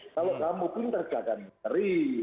kalau kamu pun terjaga nyeri